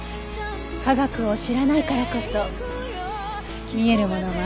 科学を知らないからこそ見えるものもあるのね。